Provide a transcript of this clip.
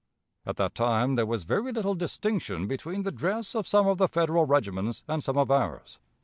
At that time there was very little distinction between the dress of some of the Federal regiments and some of ours.